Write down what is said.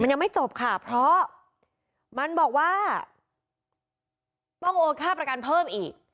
ยังไม่จบค่ะเพราะมันบอกว่าต้องโอนค่าประกันเพิ่มอีก